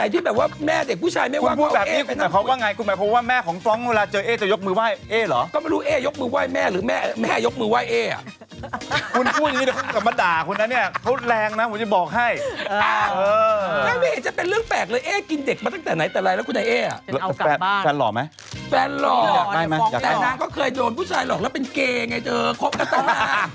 ทำอย่างนี้นะฮะจะได้รู้ไม่ใช่ว่าชูนคุยนะฮะ